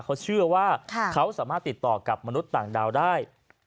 เขาเชื่อว่าเขาสามารถติดต่อกับมนุษย์ต่างดาวได้